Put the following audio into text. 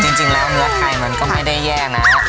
จริงจริงแล้วเนื้อไทยมันก็ไม่ได้แย่นะครับครับ